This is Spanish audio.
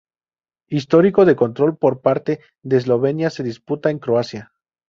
Histórico de control por parte de Eslovenia se disputa en Croacia.